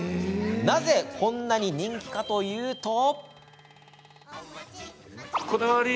なぜ、こんなに人気かというと。